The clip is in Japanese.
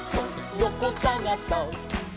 よこさがそっ！」